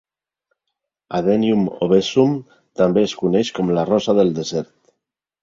"Adenium obesum" també es coneix com la rosa del desert.